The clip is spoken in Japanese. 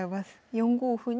４五歩に。